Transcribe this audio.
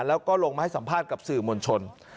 แล้วก็ลงมาให้สัมภาษณ์กับสื่อมวลชน